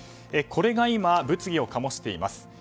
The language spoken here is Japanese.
これが今、物議を醸しています。